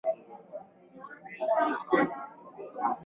mshauri maalum kwa Libya wa katibu mkuu wa Umoja wa Mataifa Antonio Guterres